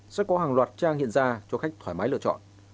sẽ có hàng loạt trang hiện ra cho khách thoải mái lựa chọn